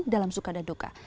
dalam suka dan doka